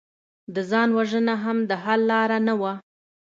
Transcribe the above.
د ځان وژنه هم د حل لاره نه وه